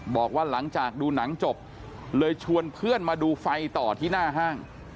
บอกว่าหลังจากดูหนังจบเลยชวนเพื่อนมาดูไฟต่อที่หน้าห้าง